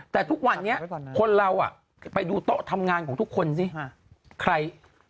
แต่ทุกวันนี้คนเราไปดูโต๊ะทำงานของทุกคนสิใคร